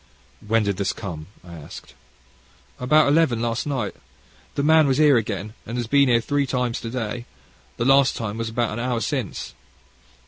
"When did this come?" I asked. "About eleven last night: the man was here again, and has been here three times to day. The last time is about an hour since."